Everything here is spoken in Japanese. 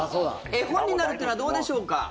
絵本になるというのはどうでしょうか？